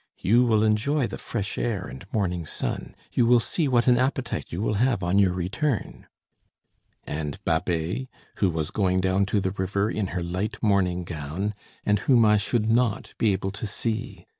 You will enjoy the fresh air and morning sun. You will see what an appetite you will have on your return!" And Babet, who was going down to the river in her light morning gown, and whom I should not be able to see!